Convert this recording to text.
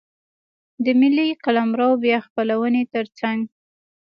د ملي قلمرو بیا خپلونې ترڅنګ.